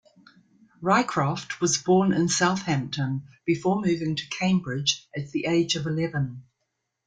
Rycroft was born in Southampton, before moving to Cambridge at the age of eleven.